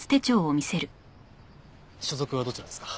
所属はどちらですか？